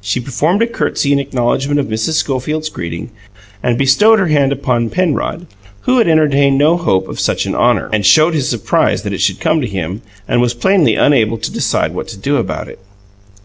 She performed a curtsey in acknowledgment of Mrs. Schofield's greeting, and bestowed her hand upon Penrod, who had entertained no hope of such an honour, showed his surprise that it should come to him, and was plainly unable to decide what to do about it.